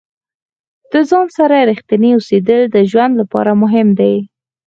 د ځان سره ریښتیني اوسیدل د ژوند لپاره مهم دي.